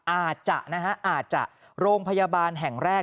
อาจจะนะฮะอาจจะโรงพยาบาลแห่งแรก